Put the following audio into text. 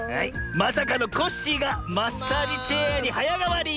まさかのコッシーがマッサージチェアにはやがわり！